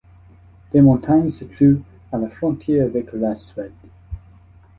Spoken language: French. Des montagnes se trouvent à la frontière avec la Suède.